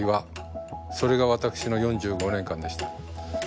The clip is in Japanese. それが私の４５年間でした。